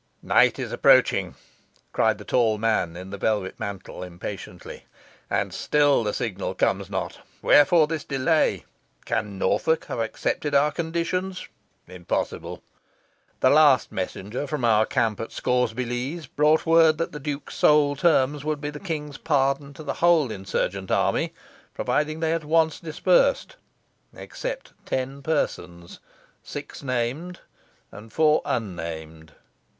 "Night is approaching," cried the tall man in the velvet mantle, impatiently; "and still the signal comes not. Wherefore this delay? Can Norfolk have accepted our conditions? Impossible. The last messenger from our camp at Scawsby Lees brought word that the duke's sole terms would be the king's pardon to the whole insurgent army, provided they at once dispersed except ten persons, six named and four unnamed."